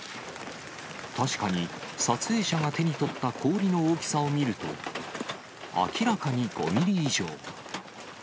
確かに、撮影者が手に取った氷の大きさを見ると、明らかに５ミリ以上。